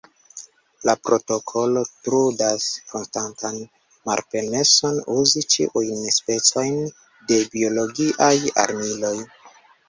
La protokolo trudas konstantan malpermeson uzi ĉiujn specojn de biologiaj armiloj.